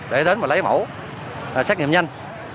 để đến mà lấy mẫu xét nghiệm nhanh